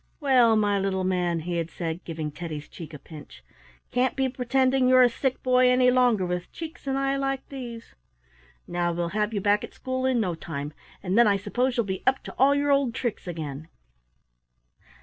"Well, my little man," he had said, giving Teddy's cheek a pinch, "can't be pretending you're a sick boy any longer with cheeks and eyes like these. Now we'll have you back at school in no time, and then I suppose you'll be up to all your old tricks again."